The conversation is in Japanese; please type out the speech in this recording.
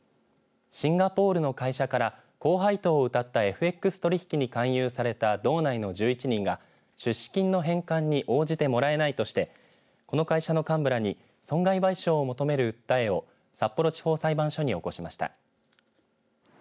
シンガポールの会社から高配当をうたったＦＸ取引に勧誘された道内の１１人が出資金の返還に応じてもらえないとしてこの会社の幹部らに損害賠償を求める訴えを札幌地方裁判所に起こしました。